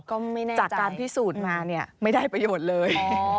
ก็ไม่แน่ใจจากการพิสูจน์มาเนี่ยไม่ได้ประโยชน์เลย